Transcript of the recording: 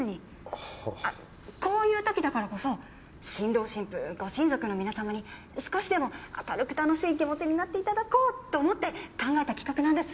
あっこういうときだからこそ新郎新婦ご親族の皆様に少しでも明るく楽しい気持ちになっていただこうと思って考えた企画なんです。